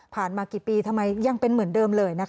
มากี่ปีทำไมยังเป็นเหมือนเดิมเลยนะคะ